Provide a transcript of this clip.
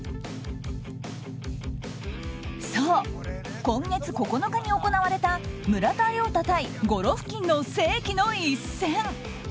そう、今月９日に行われた村田諒太対ゴロフキンの世紀の一戦。